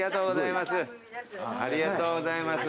ありがとうございます。